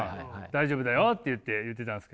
大丈夫だよって言ってたんですけど。